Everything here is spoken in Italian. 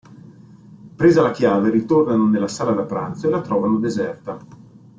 Presa la chiave, ritornano nella sala da pranzo e la trovano deserta.